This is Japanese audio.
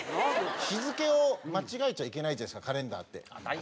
日付を間違えちゃいけないじゃないですかカレンダーって。